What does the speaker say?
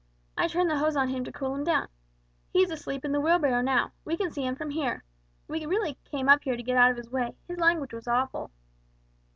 I turned the hose on him to cool him down. He is asleep in the wheelbarrow now; we can see him from here. We really came up here to get out of his way, his language was awful!"